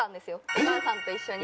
お母さんと一緒に。